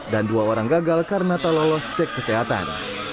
dan dua orang gagal karena telolos cek kesehatan